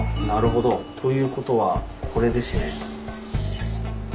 ということはこれですね。